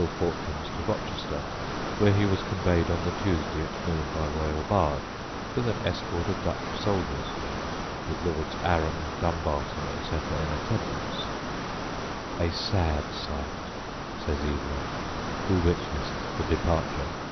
's ill fortunes to Rochester, where he was conveyed on the Tuesday at noon by royal barge, with an escort of Dutch soldiers, with Lords Arran, Dumbarton, etc., in attendance "a sad sight," says Evelyn, who witnessed the departure.